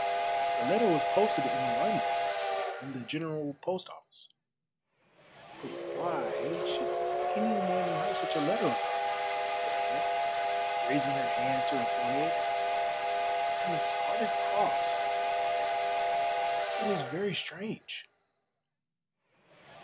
"The letter was posted in London in the General Post Office." "But why should any one write such a letter about me," said Anne, raising her hands to her forehead, "and the Scarlet Cross? It is very strange."